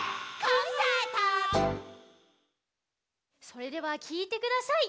それではきいてください。